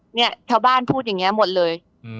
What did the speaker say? เนี่ยชาวบ้านพูดอย่างนี้หมดเลย